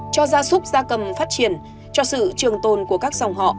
cho gia súc gia cầm phát triển cho sự trường tồn của các dòng họ